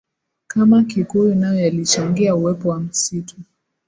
kama kikuyu nayo yalichangia uwepo wa misitu